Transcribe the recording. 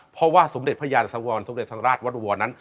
เพราะว่าสมเด็จพระยานสวรรค์สมเด็จพระสังฆราชวัดอวรนั้น